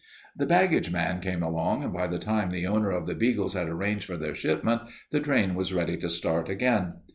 The baggage man came along, and by the time the owner of the beagles had arranged for their shipment the train was ready to start again.